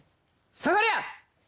下がりゃ！